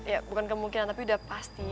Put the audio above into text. ya bukan kemungkinan tapi udah pasti